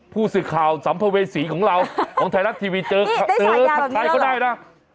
ผู้สื่อข่าวสัมภเวษีของเราของไทยรักษณ์ทีวีเจอใครก็ได้นะ